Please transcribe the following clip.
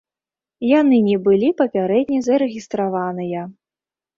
Яны не былі папярэдне зарэгістраваныя.